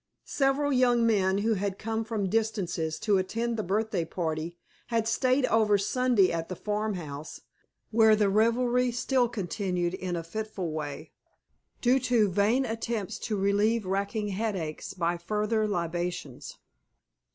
Several young men who had come from distances to attend the birthday party had stayed over Sunday at the farmhouse, where the revelry still continued in a fitful way, due to vain attempts to relieve racking headaches by further libations.